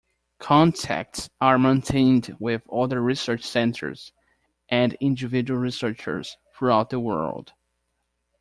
Contacts are maintained with other research centres and individual researchers throughout the world.